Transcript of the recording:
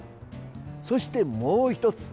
そして、もう１つ。